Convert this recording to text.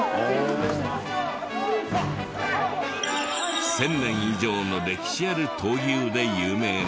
１０００年以上の歴史ある闘牛で有名な。